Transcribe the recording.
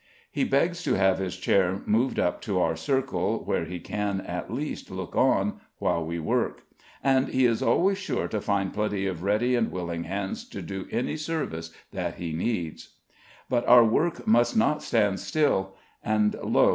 He begs to have his chair moved up to our circle, where he can, at least, look on, while we work; and he is always sure to find plenty of ready and willing hands to do any service that he needs. But our work must not stand still; and lo!